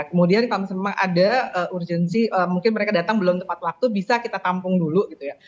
kemudian kalau memang ada urgensi mungkin mereka datang belum tepat waktu bisa kita tampung dulu gitu ya